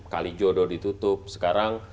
kalijodo ditutup sekarang